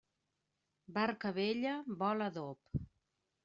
Barca vella vol adob.